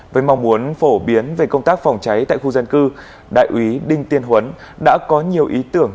với mong muốn phổ biến về công tác phòng cháy tại khu dân cư đại úy đinh tiên huấn đã có nhiều ý tưởng